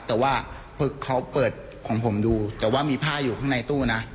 แต่ว่าเขาเปิดของผมดูแต่ว่ามีผ้าอยู่ข้างในตู้นะ